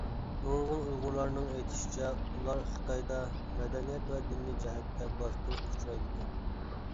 نۇرغۇن ئۇيغۇرلارنىڭ ئېيتىشىچە ئۇلار خىتايدا مەدەنىيەت ۋە دىننى جەھەتتە باستۇرۇشقا ئۇچرايدىكەن.